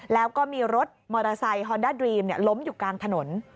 แล้วก็มีรถมอเตอร์ไซค์ฮอนด้าดรีมล้มอยู่กลางถนน